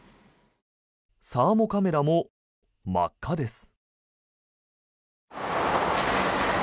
サーモカメラも真っ赤です。